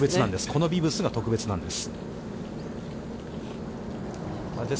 このビブスが特別なんで